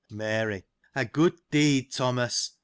620 Mary. — A good deed, Thomas